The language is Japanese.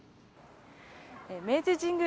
明治神宮